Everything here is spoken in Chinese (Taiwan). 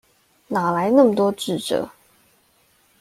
哪來那麼多智者